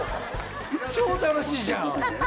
超楽しいじゃん！